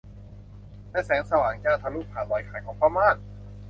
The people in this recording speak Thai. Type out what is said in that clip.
และแสงสว่างจ้าทะลุผ่านรอยขาดของผ้าม่าน